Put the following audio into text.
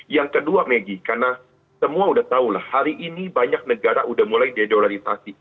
yang kedua maggie karena semua udah tahu lah hari ini banyak negara udah mulai dedolarisasi